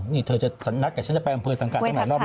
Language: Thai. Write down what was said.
นี่เธอจะนัดกับฉันจะไปอำเภอสังกัดตั้งหลายรอบ